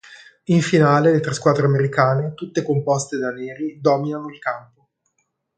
In finale le tre squadre americane, tutte composte da neri, dominano il campo.